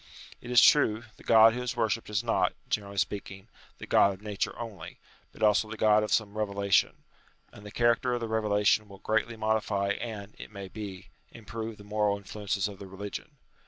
It is true, the God who is worshipped is not, generally speaking, the God of Nature only, but also the God of some reve lation ; and the character of the revelation will greatly modify and, it may be, improve the moral influences of the religion.